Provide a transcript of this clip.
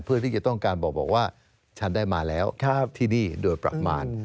เพื่อที่จะต้องการบอกว่าฉันได้มาแล้วที่นี่โดยประมาณ